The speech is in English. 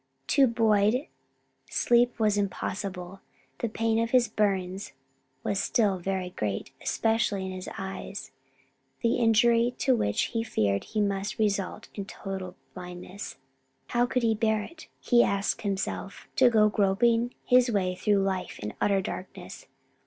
To Boyd sleep was impossible, the pain of his burns was still very great; especially in his eyes, the injury to which he feared must result in total blindness. How could he bear it? he asked himself, to go groping his way through life in utter darkness?